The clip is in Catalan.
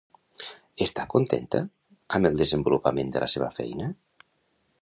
Està contenta amb el desenvolupament de la seva feina?